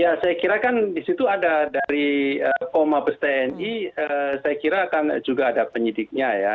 ya saya kira kan disitu ada dari pom mabes tni saya kira akan juga ada penyidiknya ya